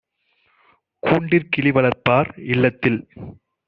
கூண்டிற் கிளிவளர்ப்பார் - இல்லத்தில்